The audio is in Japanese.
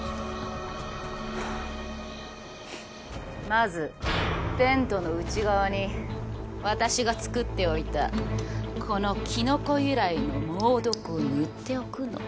まずテントの内側に私が作っておいたこのキノコ由来の猛毒を塗っておくの。